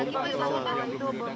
itu belum diledakan